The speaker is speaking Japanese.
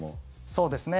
そうですね。